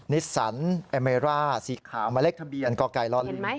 นิสสันแอเมร่าสีขาวมาเลขทะเบียนกไก่ลอลิ